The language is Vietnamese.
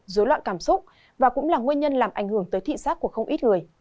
dối loạn cảm xúc và cũng là nguyên nhân làm ảnh hưởng tới thị xác của không ít người